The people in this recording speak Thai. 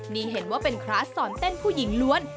นี่เห็นว่าเป็นคลาสสอนเต้นผู้หญิงล้วน